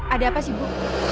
ada apa sih bu